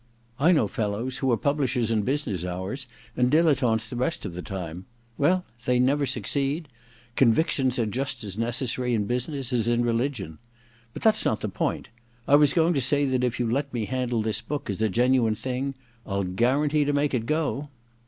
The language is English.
I know fellows who are pub lishers in business hours and dilettantes the rest of the time. Well, they never succeed : con victions are just as necessary in business as in religion. But that's not the point — I was going to say that if you'll let me handle this book as a genuine thing I'll guarantee to make it go.'